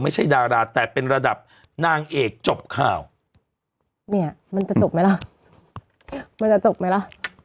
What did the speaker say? ไม่ใช่ดาราแต่เป็นระดับนางเอกจบข่าวเนี่ยมันจะจบไหมล่ะมันจะจบไหมล่ะ